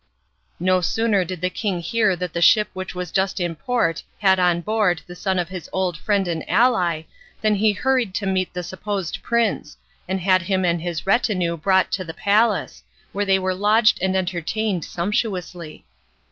No sooner did the king hear that the ship which was just in port had on board the son of his old friend and ally than he hurried to meet the supposed prince, and had him and his retinue brought to the palace, where they were lodged and entertained sumptuously.